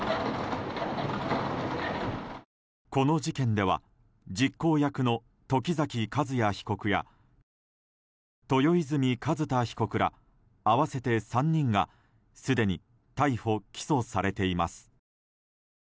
この事件では実行役の時崎和也被告や豊泉寿太被告ら、合わせて３人がすでに逮捕・起訴されています。